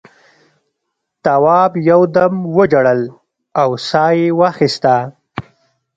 تواب یو دم وژړل او سا یې واخیسته.